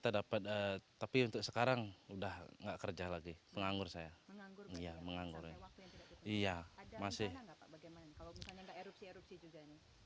ada keadaan enggak pak bagaimana kalau misalnya enggak erupsi erupsi juga